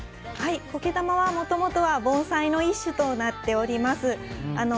苔玉はもともとは盆栽の一種となっております。